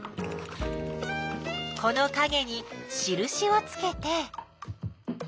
このかげにしるしをつけて。